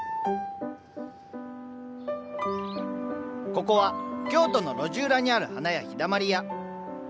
ここは京都の路地裏にある花屋「陽だまり屋」。